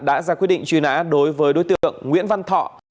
đã ra quyết định truy nã đối với đối tượng nguyễn văn thọ